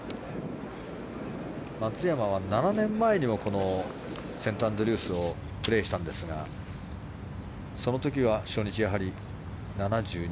松山は７年前にはこのセントアンドリュースをプレーしたんですがその時は初日、やはり７２。